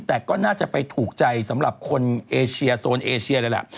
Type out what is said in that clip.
แต่ก็น่าจะไปถูกใจสำหรับคนเอเชียโซนเอเชียเลยแหละ